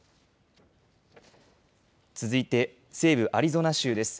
続いて西部アリゾナ州です。